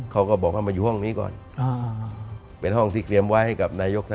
ข้างในเป็นยังไงบ้างคะ